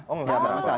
oh enggak masalah